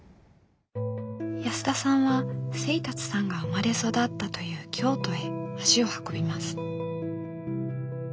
安田さんは清達さんが生まれ育ったという京都へ足を運びます。